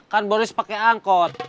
kan boris pake angkot